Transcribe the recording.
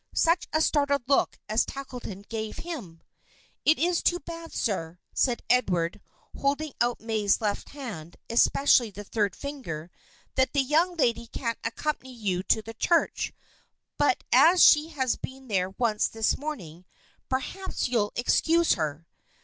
Such a startled look as Tackleton gave him! "It is too bad, sir," said Edward, holding out May's left hand, especially the third finger, "that the young lady can't accompany you to the church; but as she has been there once this morning, perhaps you'll excuse her."